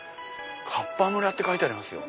「かっぱ村」って書いてありますよ。